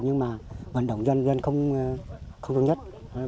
nhưng mà vận động dân dân không đồng nhất